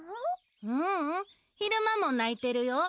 ううん昼間も鳴いてるよ。